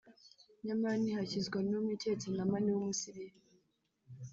nyamara ntihakizwa n’umwe keretse Namani w’Umusiliya